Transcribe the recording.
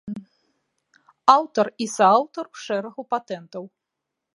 Аўтар і сааўтар шэрагу патэнтаў.